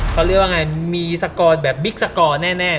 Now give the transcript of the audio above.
เขาเรียกว่าไงมีสกอร์แบบบิ๊กสกอร์แน่